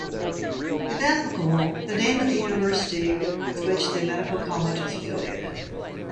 If applicable, the name of the university with which the medical college is affiliated.